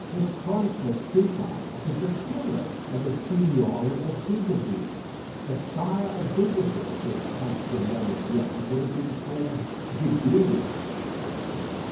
This chronicler Trigan was the curé of the Seigniory of Digoville. The Sire of Digoville, if he had sunk to a lower grade, would have been called Digouille.